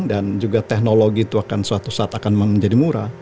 dan juga teknologi itu akan suatu saat akan menjadi murah